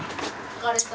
疲れた？